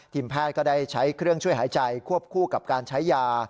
แพทย์ก็ได้ใช้เครื่องช่วยหายใจควบคู่กับการใช้ยา